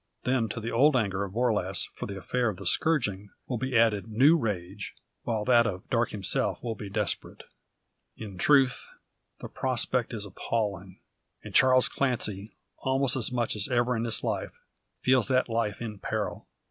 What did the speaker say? Then to the old anger of Borlasse for the affair of the scourging, will be added new rage, while that of Darke himself will be desperate. In truth, the prospect is appalling; and Charles Clancy, almost as much as ever in his life, feels that life in peril.